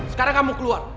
sekarang kamu keluar